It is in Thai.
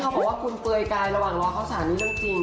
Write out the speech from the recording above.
นี่เขาบอกว่าคุณปล่วยกายระหว่างรอเข้าสารนี้จริง